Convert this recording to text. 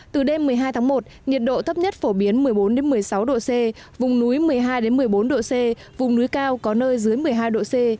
từ đêm một mươi hai tháng một nhiệt độ thấp nhất phổ biến một mươi bốn một mươi sáu độ c vùng núi một mươi hai một mươi bốn độ c vùng núi cao có nơi dưới một mươi hai độ c